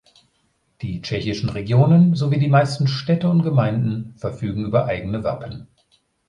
Die tschechischen Regionen sowie die meisten Städte und Gemeinden verfügen über eigene Wappen.